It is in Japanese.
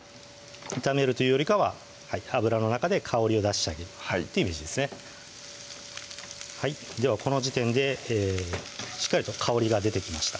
炒めるというよりかは油の中で香りを出してあげるっていうイメージですねではこの時点でしっかりと香りが出てきました